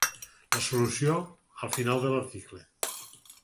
La solució, al final de l'article.